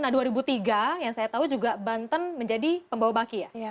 nah dua ribu tiga yang saya tahu juga banten menjadi pembawa baki ya